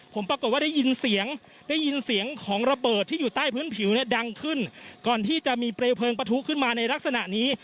ผมปรากฏว่าได้ยินเสียงได้ยินเสียงของระเบิดที่อยู่ใต้พื้นผิวเนี่ยดังขึ้นก่อนที่จะมีเปลวเพลิงปะทุขึ้นมาในลักษณะนี้